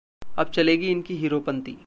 अब चलेगी इनकी हीरोपंती